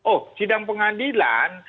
oh sidang pengadilan